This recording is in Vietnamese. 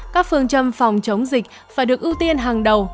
các phương châm phòng chống dịch phải được ưu tiên hàng đầu